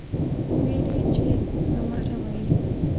ويل يې چې نا محرمه يې